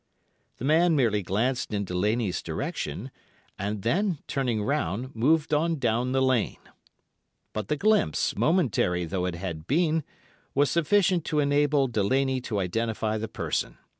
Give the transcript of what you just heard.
"The man merely glanced in Delaney's direction, and then, turning round, moved on down the lane. But the glimpse, momentary though it had been, was sufficient to enable Delaney to identify the person.